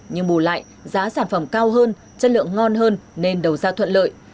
nhưng bù lại giá sản phẩm cao hơn chất lượng ngon hơn nên đầu ra thuận lợi